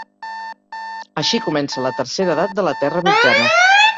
Així comença la Tercera Edat de la Terra Mitjana.